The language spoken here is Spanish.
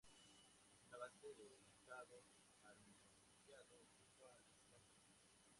Una base de marcado almohadillado ocupa la planta baja.